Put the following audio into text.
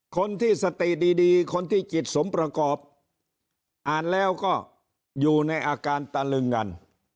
คนที่สติดีคนที่จิตสมประกอบอ่านแล้วก็อยู่ในอาการตะลึงกัน